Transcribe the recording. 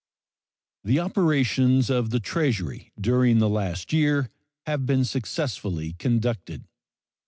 The operations of the Treasury during the last year have been successfully conducted.